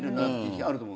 日あると思う。